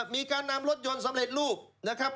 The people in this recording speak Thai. มีการนำรถยนต์สำเร็จรูปนะครับ